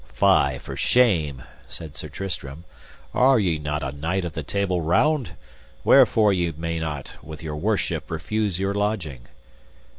Fie for shame, said Sir Tristram, are ye not a knight of the Table Round? wherefore ye may not with your worship refuse your lodging.